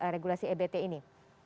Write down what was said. regulasi ebt ini